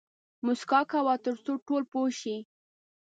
موسکا کوه تر څو ټول پوه شي